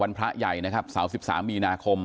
พระใหญ่นะครับเสา๑๓มีนาคม